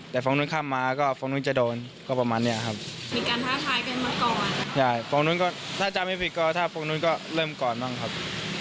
แต่ฝั่งนู้นข้ามมาก็ฝั่งนู้นจะโดนก็ประมาณเนี้ยครับมีการท้าทายกันมาก่อนใช่ฝั่งนู้นก็ถ้าจำไม่ผิดก็ถ้าพวกนู้นก็เริ่มก่อนบ้างครับ